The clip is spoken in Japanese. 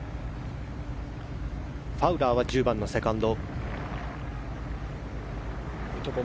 ファウラーは１０番のセカンド。